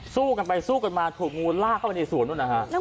สู้กันไปสู้กันมาถูกงูลากเข้าในสวน